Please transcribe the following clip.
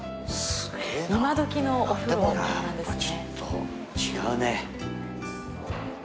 今どきのお風呂なんですね。